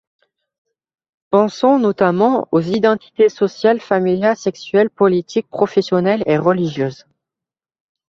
Pensons, notamment, aux identités sociale, familiale, sexuelle, politique, professionnelle et religieuse.